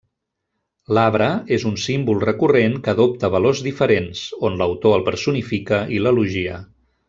L'arbre és un símbol recurrent que adopta valors diferents, on l'autor el personifica i l'elogia.